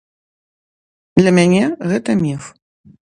Для мяне гэта міф.